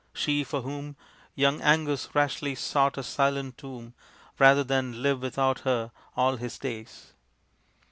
She for whom Young Angus rashly sought a silent tomb Rather than live without her all his days.